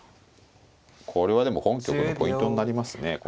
これはでも本局のポイントになりますね